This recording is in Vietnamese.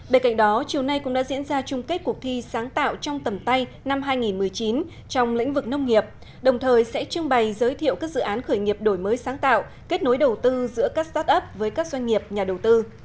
bên cạnh đó chiều nay cũng đã diễn ra chung kết cuộc thi sáng tạo trong tầm tay năm hai nghìn một mươi chín trong lĩnh vực nông nghiệp đồng thời sẽ trưng bày giới thiệu các dự án khởi nghiệp đổi mới sáng tạo kết nối đầu tư giữa các start up với các doanh nghiệp nhà đầu tư